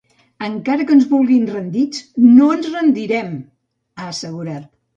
Encara que ens vulguin rendits, no ens rendirem!, ha assegurat.